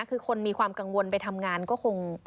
คือคนมีความกังวลไปทำงานก็คง